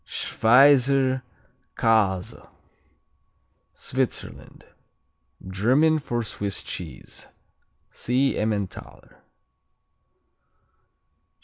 Schweizerkäse Switzerland German for Swiss cheese. (See Emmentaler.)